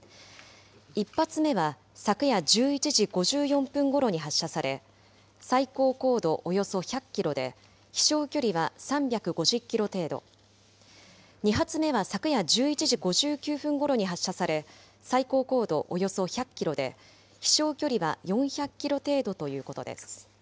１発目は昨夜１１時５４分ごろに発射され、最高高度およそ１００キロで飛しょう距離は３５０キロ程度、２発目は昨夜１１時５９分ごろに発射され、最高高度およそ１００キロで、飛しょう距離は４００キロ程度ということです。